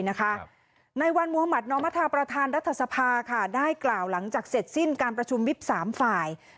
ในวันมุธมัธนอมธาประธานรัฐสภาได้กล่าวหลังจากเสร็จสิ้นการประชุมวิบ๓ฝ่าย